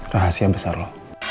rahasia besar lo